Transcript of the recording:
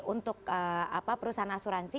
untuk perusahaan asuransi